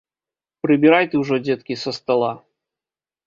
Прыбірай ты ўжо, дзеткі, са стала.